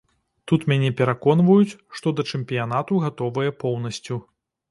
Тут мяне пераконваюць, што да чэмпіянату гатовыя поўнасцю.